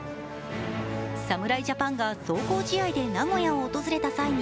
侍ジャパンが壮行試合で名古屋を訪れた際に